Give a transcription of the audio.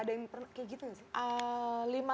ada yang pernah kayak gitu nggak sih